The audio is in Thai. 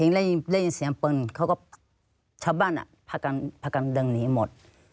ได้ยินเสียงปึงเขาก็ช้าบ้านพักกันเดินหนีหมด